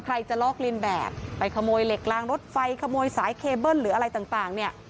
ใครจะลอกเลียนแบบไปขโมยเหล็กลางรถไฟขโมยสายเคเบิ้ลหรืออะไรต่างเนี่ย